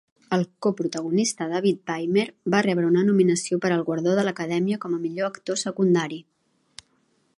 El coprotagonista David Paymer va rebre una nominació per al guardó de l'Acadèmia com a millor actor secundari.